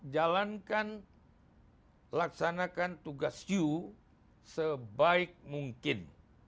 jalankan laksanakan tugas you sebaik mungkin